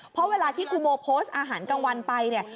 เพราะเวลาที่กูโมโพสต์อาหารกลางวันไปเนี่ย